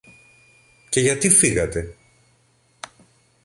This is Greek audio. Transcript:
Και γιατί φύγατε;